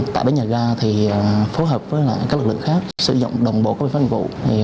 tại bến nhà ga thì phối hợp với các lực lượng khác sử dụng đồng bộ các bệnh pháp hành vụ